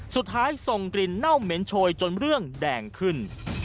สุดท้ายส่งกลิ่นเน่าเหม็นโชยจนเรื่องแดงขึ้น